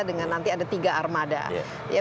dengan nanti ada tiga armada ya